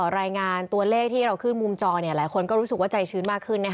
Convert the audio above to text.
รายงานตัวเลขที่เราขึ้นมุมจอหลายคนก็รู้สึกว่าใจชื้นมากขึ้น